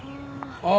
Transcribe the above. ああ。